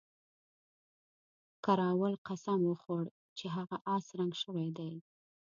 کراول قسم وخوړ چې هغه اس رنګ شوی دی.